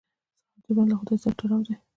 سهار د ژوند له خدای سره تړاو دی.